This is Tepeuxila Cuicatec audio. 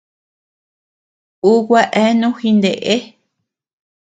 Uu gua eanu jineʼe.